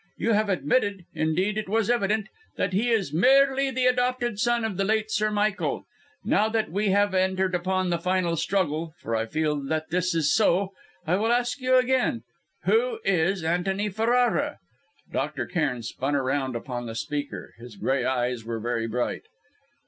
You have admitted indeed it was evident that he is merely the adopted son of the late Sir Michael. Now that we have entered upon the final struggle for I feel that this is so I will ask you again: Who is Antony Ferrara?" Dr. Cairn spun around upon the speaker; his grey eyes were very bright.